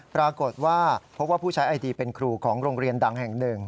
ปรากฏว่าพบว่าผู้ใช้ไอดีเป็นครูของโรงเรียนดังแห่งหนึ่ง